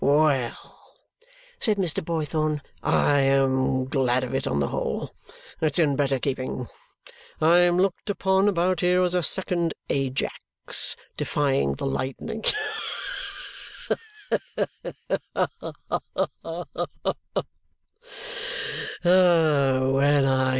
"Well!" said Mr. Boythorn. "I am glad of it on the whole. It's in better keeping. I am looked upon about here as a second Ajax defying the lightning. Ha ha ha ha!